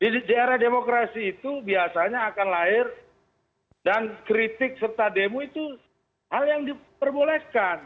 di era demokrasi itu biasanya akan lahir dan kritik serta demo itu hal yang diperbolehkan